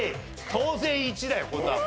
当然１だよこんなの。